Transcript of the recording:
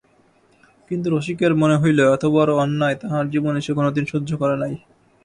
কিন্তু রসিকের মনে হইল এতবড়ো অন্যায় তাহার জীবনে সে কোনোদিন সহ্য করে নাই।